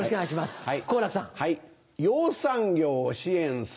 はい。